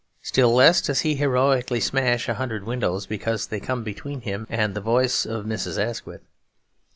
Still less does he heroically smash a hundred windows because they come between him and the voice of Mrs. Asquith.